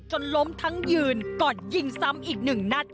ล้มทั้งยืนก่อนยิงซ้ำอีกหนึ่งนัด